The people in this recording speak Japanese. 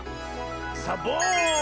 サボーン！